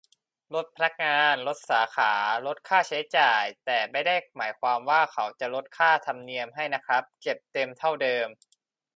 ลดพนักงาน ลดสาขา ลดค่าใช้จ่าย แต่ไม่ได้หมายความว่าเขาจะลดค่าธรรมเนียมให้นะครับ เก็บเต็มเท่าเดิม